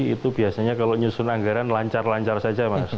itu biasanya kalau nyusun anggaran lancar lancar saja mas